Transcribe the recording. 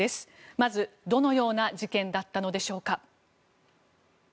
まず、どのような事件だったのでしょうか。